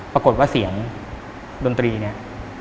ปรากฏว่าเสียงดนตรีเนี่ย